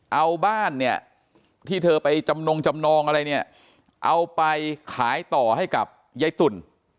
เอาบ้านเนี่ยที่เธอไปจำนงจำนองอะไรเนี่ยเอาไปขายต่อให้กับยายตุ่น